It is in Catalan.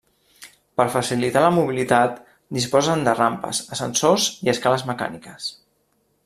Per facilitar la mobilitat disposen de rampes, ascensors i escales mecàniques.